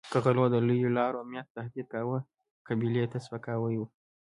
که غلو د لویو لارو امنیت تهدید کاوه قبیلې ته سپکاوی وو.